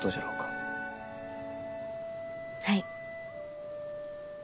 はい。